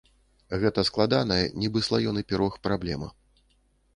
Гэта складаная, нібы слаёны пірог, праблема.